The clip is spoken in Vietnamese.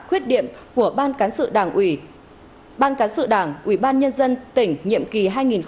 khuyết điểm của ban cán sự đảng ủy ban nhân dân tỉnh nhiệm kỳ hai nghìn một mươi sáu hai nghìn hai mươi một